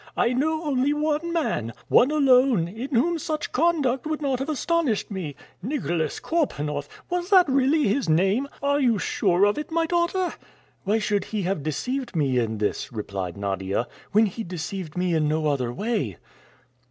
I know only one man, one alone, in whom such conduct would not have astonished me. Nicholas Korpanoff! Was that really his name? Are you sure of it, my daughter?" "Why should he have deceived me in this," replied Nadia, "when he deceived me in no other way?"